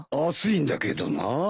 熱いんだけどな。